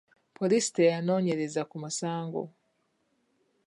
Poliisi teyanoonyereza ku musango.